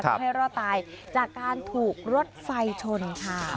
ให้รอดตายจากการถูกรถไฟชนค่ะ